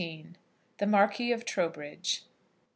THE MARQUIS OF TROWBRIDGE.